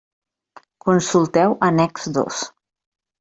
Consulteu Annex dos.